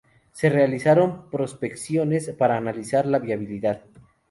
Se realizaron prospecciones para analizar la viabilidad.